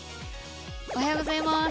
おはようございます。